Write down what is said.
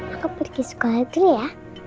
aku pergi sekolah dulu ya